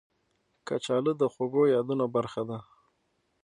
کچالو د خوږو یادونو برخه ده